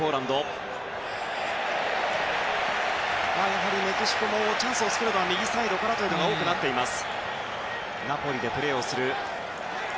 やはりメキシコもチャンスを作るのは右サイドからが多くなっています。